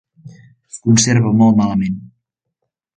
Es conserva molt malament.